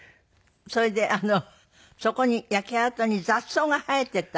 それでそこに焼け跡に雑草が生えていた。